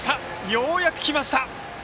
ようやく来ました！